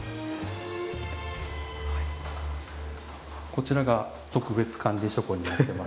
こちらが特別管理書庫になってまして。